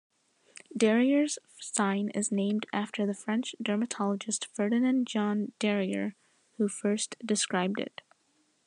Darier's sign is named after the French dermatologist Ferdinand-Jean Darier who first described it.